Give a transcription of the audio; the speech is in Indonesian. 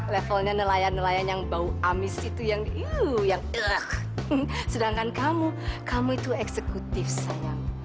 levelnya nelayan nelayan yang bau amis itu yang sedangkan kamu kamu itu eksekutif sayang